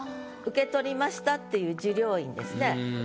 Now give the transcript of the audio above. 受け取りましたっていう受領印ですね。